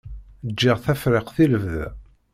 Ǧǧiɣ Tafriqt i lebda.